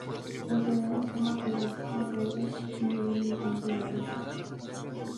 Las orugas son de coloración verde y viven en enredaderas.